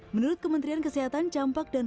menurut kementerian kesehatan